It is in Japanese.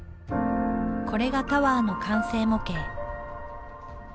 これがタワーの完成模型。